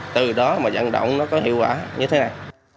từ đó mà dẫn động nó có hiệu quả như thế này